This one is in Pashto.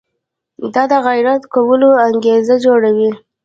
دا د غیرت کولو انګېزه جوړوي.